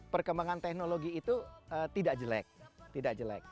perkembangan teknologi itu tidak jelek